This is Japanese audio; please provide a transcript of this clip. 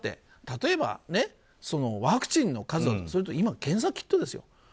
例えば、ワクチンの数と今、検査キットですよ。